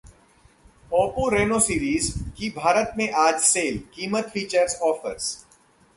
Oppo Reno series की भारत में आज सेल, कीमत-फीचर्स-ऑफर्स